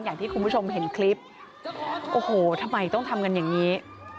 อย่างที่คุณผู้ชมเห็นคลิปโอ้โหทำไมต้องทำกันอย่างนี้